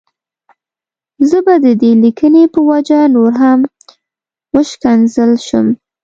زه به د دې ليکنې په وجه نور هم وشکنځل شم.